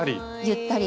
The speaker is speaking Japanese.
ゆったり。